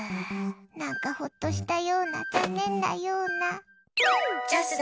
何かほっとしたような残念なような。